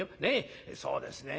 そうですね